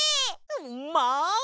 うんまい！